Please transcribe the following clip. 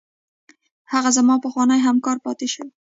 هغه زما پخوانی همکار پاتې شوی.